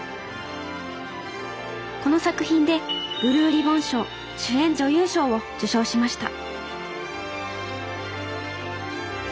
この作品でブルーリボン賞主演女優賞を受賞しました